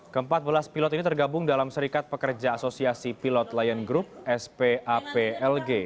keempat belas pilot ini tergabung dalam serikat pekerja asosiasi pilot lion group spaplg